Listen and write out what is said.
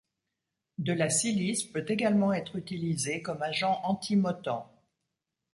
De la silice peut également être utilisée comme agent anti-mottant.